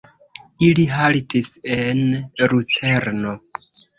Ili haltis en Lucerno.